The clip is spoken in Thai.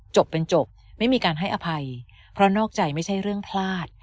จบเป็นจบไม่มีการให้อภัยเพราะนอกใจไม่ใช่เรื่องพลาด